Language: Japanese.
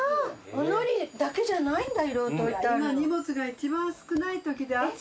お海苔だけじゃないんだ。